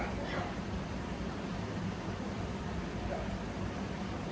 คุณพร้อมกับเต้ย